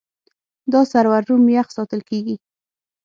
دا سرور روم یخ ساتل کېږي.